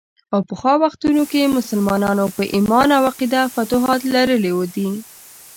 او پخوا وختونو کې هم مسلمانانو په ايمان او عقیده فتوحات لرلي دي.